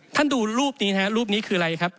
ท่านดูรูปนี้ฮะรูปนี้คืออะไรครับ